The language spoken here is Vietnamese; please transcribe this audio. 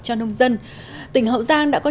cho nông dân tỉnh hậu giang đã có